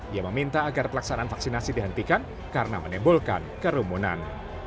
ia meminta agar pelaksanaan vaksinasi dihentikan karena menimbulkan kerumunan